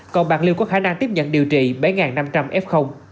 còn bạc liêu có khả năng tiếp nhận điều trị bảy năm trăm linh f